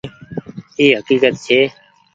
اي هڪيڪت ڇي۔